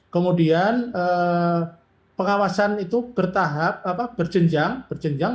kemudian pengawasan itu bertahap berjenjang